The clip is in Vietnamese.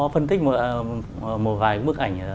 phân tích một vài bức ảnh